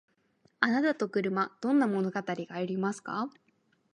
あなたと車どんな物語がありますか？